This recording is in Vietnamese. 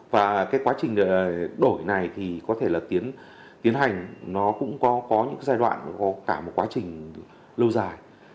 và quá trình đổi này có thể tiến hành nó cũng có những giai đoạn có cả một quá trình lâu dài